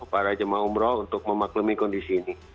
para jemaah umroh untuk memaklumi kondisi ini